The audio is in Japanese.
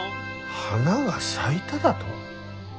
花が咲いただと？